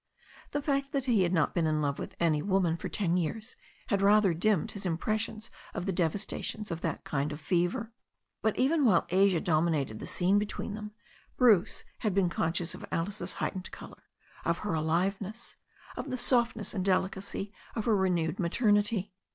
The fact that he had not been in love with any woman for ten years had rather dimmed his impressions of the devastations of that kind of fever. But even while Asia dominated the scene between them, Bruce had been conscious of Alice's heightened colour, of her aliveness, of the softness and delicacy of her "renewed maternity.